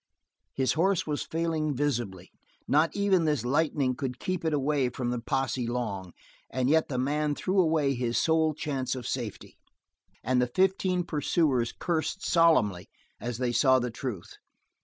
His horse was failing visibly; not even this lightening could keep it away from the posse long; and yet the man threw away his sole chance of safety. And the fifteen pursuers cursed solemnly as they saw the truth.